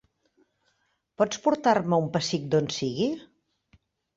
Pots portar-me un pessic d'on sigui?